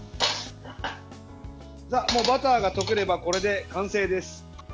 バターが溶ければこれで完成です。